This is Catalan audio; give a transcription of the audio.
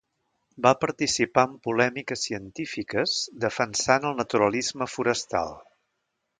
Va participar en polèmiques científiques defensant el naturalisme forestal.